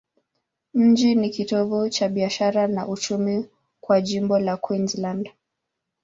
Mji ni kitovu cha biashara na uchumi kwa jimbo la Queensland.